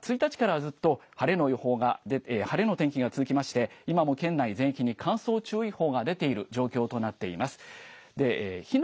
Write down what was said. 石川県は１日からずっと晴れの予報が出て晴れの天気が続きまして今も県内全域に乾燥注意報が出ている状況となっています。